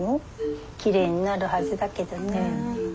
きれいになるはずだけどな。